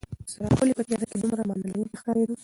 څراغ ولې په تیاره کې دومره مانا لرونکې ښکارېده؟